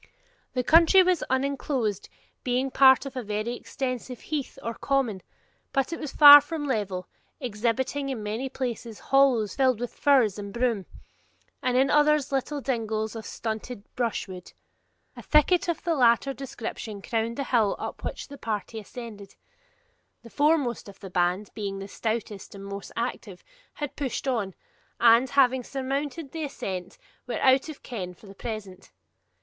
The country was uninclosed, being part of a very extensive heath or common; but it was far from level, exhibiting in many places hollows filled with furze and broom; in others, little dingles of stunted brushwood. A thicket of the latter description crowned the hill up which the party ascended. The foremost of the band, being the stoutest and most active, had pushed on, and, having surmounted the ascent, were out of ken for the present.